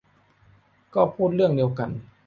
ก็พูดเรื่องเดียวกัน